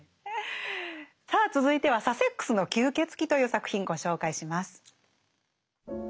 さあ続いては「サセックスの吸血鬼」という作品ご紹介します。